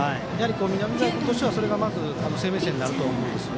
南澤君としてはそれがまず生命線になると思います。